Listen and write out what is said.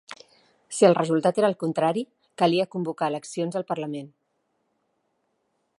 Si el resultat era el contrari, calia convocar eleccions al parlament.